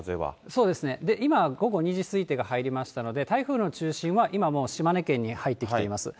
そうですね、今、午後２時過ぎが入りましたので、台風の中心は今もう島根県に入ってきています。